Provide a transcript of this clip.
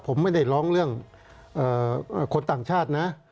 ผมไม่ได้ร้องเรื่องคนต่างชาตินะ